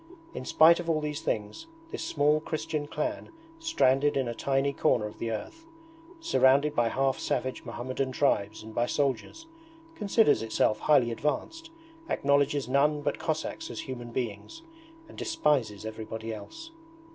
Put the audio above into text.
In spite of all these things this small Christian clan stranded in a tiny corner of the earth, surrounded by half savage Mohammedan tribes and by soldiers, considers itself highly advanced, acknowledges none but Cossacks as human beings, and despises everybody else.